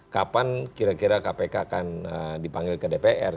kapan kira kira kpk akan dipanggil ke dpr